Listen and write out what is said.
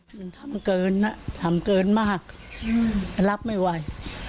ทำเกินทำเกินมากรับไม่ไหว